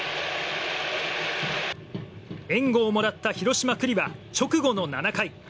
援護をもらった広島、九里は直後の７回。